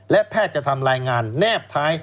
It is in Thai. และแพทย์จะทำรายงานแนบท้าย